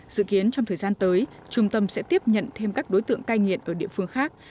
dự kiến trong thời gian tới trung tâm sẽ tiếp nhận thêm các đối tượng cai nghiện ở địa phương khác